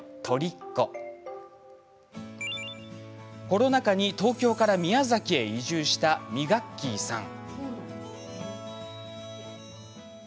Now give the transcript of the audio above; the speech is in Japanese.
コロナ禍に東京から宮崎へ移住したミガッキーさん。